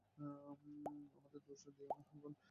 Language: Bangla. আমাকে দোষ দিও না এখন।